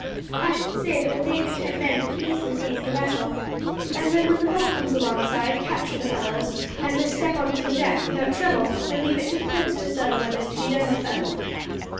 I should say that with eight or ten men we can easily seize the vessel, and then when the boat comes alongside capture the fellows as they step on to the deck without trouble, and leave it to the prince to settle what is to be done with them."